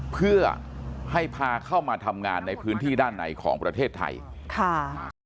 เพื่อให้พาเข้ามาทำงานในพื้นที่ด้านในของประเทศไทยค่ะ